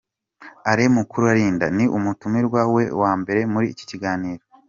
Alain Mukuralinda ni umutumirwa wa mbere muri iki kiganiro.